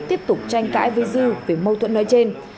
tiếp tục tranh cãi với dư về mâu thuẫn nói trên